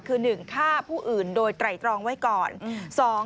คือ๑ฆ่าผู้อื่นโดยไตรตรองไว้ก่อน